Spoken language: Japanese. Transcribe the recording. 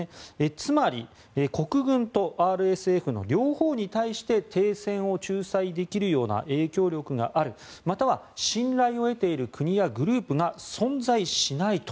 つまり国軍とＲＳＦの両方に対して停戦を仲裁できるような影響力があるまたは信頼を得ている国やグループが存在しないと。